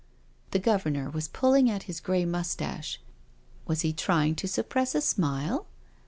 The Governor was pulling at his grey moustache— was he trying to suppress a smile?